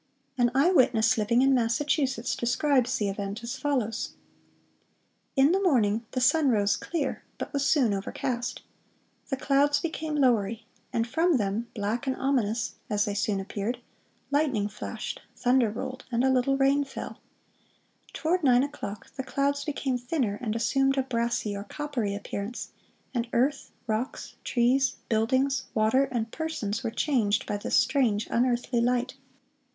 (484) An eye witness living in Massachusetts describes the event as follows: "In the morning the sun rose clear, but was soon overcast. The clouds became lowery, and from them, black and ominous, as they soon appeared, lightning flashed, thunder rolled, and a little rain fell. Toward nine o'clock, the clouds became thinner, and assumed a brassy or coppery appearance, and earth, rocks, trees, buildings, water, and persons were changed by this strange, unearthly light.